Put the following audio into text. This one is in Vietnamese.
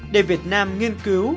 để việt nam nghiên cứu